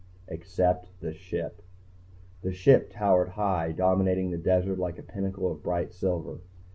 Except the Ship. The Ship towered high, dominating the desert like a pinnacle of bright silver.